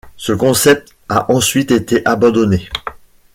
Ce concept a ensuite été abandonné.